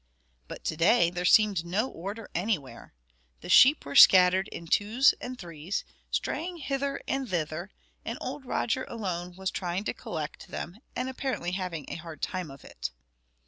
But to day there seemed no order anywhere. The sheep were scattered in twos and threes, straying hither and thither; and old Roger alone was trying to collect them, and apparently having a hard time of it.